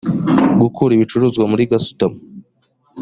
gukura ibicuruzwa muri gasutamo